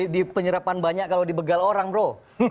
di penyerapan banyak kalau dibegal orang bro